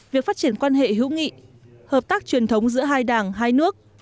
việc phát triển quan hệ hữu nghị hợp tác truyền thống giữa hai đảng hai nước